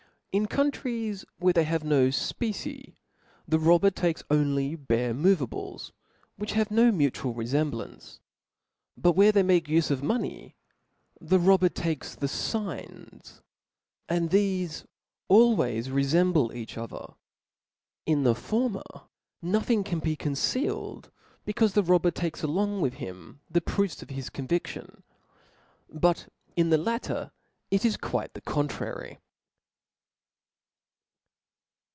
In countries where they have no fpecie, the rob ber takes only bare moveables, which have i^p fnutual refemblance. But where they make ufe of money, the robber takes the figns, and chefe aU ways refemble each other. In the former nothing carl be concealed, becaufe the robber takes along with him the proofs of his convidtion ; but in the latter, it is quite the contrary.